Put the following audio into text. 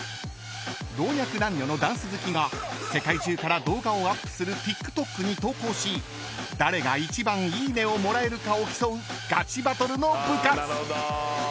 ［老若男女のダンス好きが世界中から動画をアップするＴｉｋＴｏｋに投稿し誰が一番いいねをもらえるかを競うガチバトルの部活］